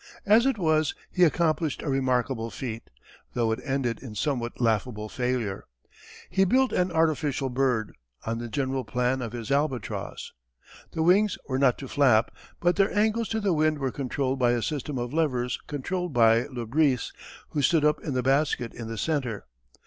As it was he accomplished a remarkable feat, though it ended in somewhat laughable failure. He built an artificial bird, on the general plan of his albatross. The wings were not to flap, but their angles to the wind were controlled by a system of levers controlled by Le Bris, who stood up in the basket in the centre.